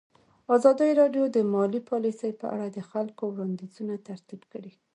ازادي راډیو د مالي پالیسي په اړه د خلکو وړاندیزونه ترتیب کړي.